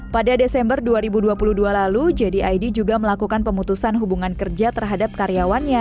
pada desember dua ribu dua puluh dua lalu jdid juga melakukan pemutusan hubungan kerja terhadap karyawannya